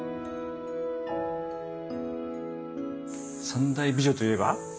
三大美女といえば？